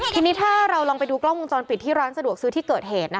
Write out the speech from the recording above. ทีนี้ถ้าเราลองไปดูกล้องวงจรปิดที่ร้านสะดวกซื้อที่เกิดเหตุ